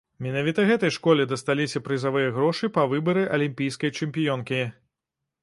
Менавіта гэтай школе дасталіся прызавыя грошы па выбары алімпійскай чэмпіёнкі.